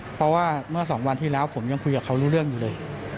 เพราะว่าเมื่อสองวันที่แล้วผมยังคุยกับเขารู้เรื่องอยู่เลย